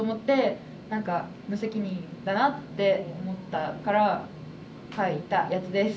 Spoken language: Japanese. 何か無責任だなって思ったから書いたやつです。